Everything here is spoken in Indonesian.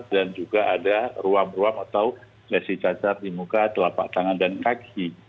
dan juga ada ruam ruam atau lesi cacar di muka telapak tangan dan kaki